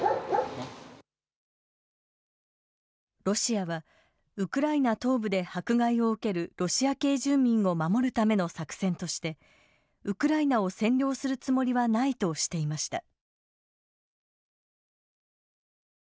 ロシアはウクライナ東部で迫害を受けるロシア系住民を守るための作戦としてウクライナを占領するつもりはないとしていました。